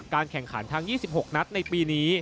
แข่งขันทั้ง๒๖นัดในปีนี้